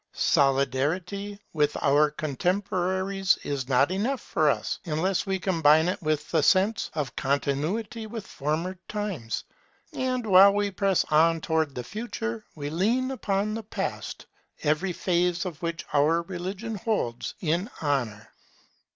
Solidarity with our contemporaries is not enough for us, unless we combine it with the sense of Continuity with former times; and while we press on toward the Future, we lean upon the Past, every phase of which our religion holds in honour.